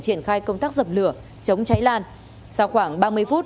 triển khai công tác dập lửa chống cháy lan sau khoảng ba mươi phút